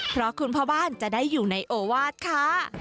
เพราะคุณพ่อบ้านจะได้อยู่ในโอวาสค่ะ